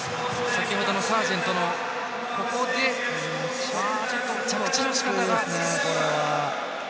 先ほどのサージェントの着地のしかたが。